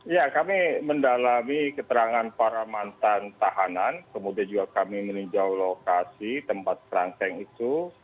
ya kami mendalami keterangan para mantan tahanan kemudian juga kami meninjau lokasi tempat kerangkeng itu